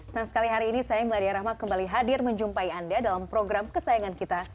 dan sekali hari ini saya melaria rahma kembali hadir menjumpai anda dalam program kesayangan kita